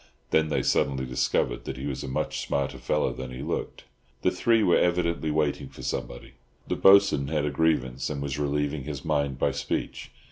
Then they suddenly discovered that he was a much smarter fellow than he looked. The three were evidently waiting for somebody. The "Bo'sun" had a grievance, and was relieving his mind by speech.